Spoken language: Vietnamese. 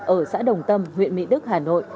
ở xã đồng tâm huyện mỹ đức hà nội